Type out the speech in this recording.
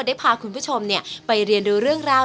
ได้พาคุณผู้ชมไปเรียนดูเรื่องราว